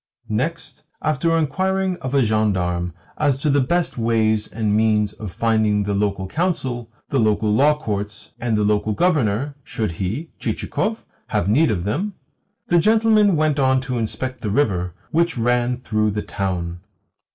Next, after inquiring of a gendarme as to the best ways and means of finding the local council, the local law courts, and the local Governor, should he (Chichikov) have need of them, the gentleman went on to inspect the river which ran through the town.